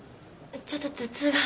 ちょっと頭痛が。